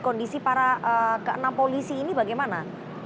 kondisi para ke enam polisi ini bagaimana